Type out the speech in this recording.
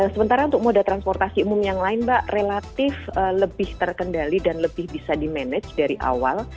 sementara untuk moda transportasi umum yang lain mbak relatif lebih terkendali dan lebih bisa dimanage dari awal